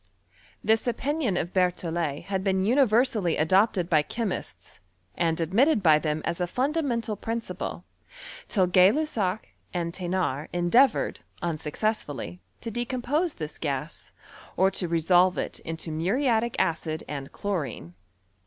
This opinion of Berthollet had been universally adopted by che mists, and admitted by them as a fundamental prin ciple, till Gay Lussac and Thenard endeavoured, un successfully, to decompose this gas, or to resolve it into muriatic acid and chlorine.